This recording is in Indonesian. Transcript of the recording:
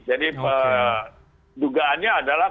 jadi perjugaannya adalah